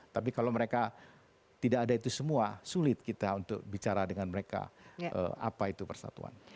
tapi kalau mereka tidak ada itu semua sulit kita untuk bicara dengan mereka apa itu persatuan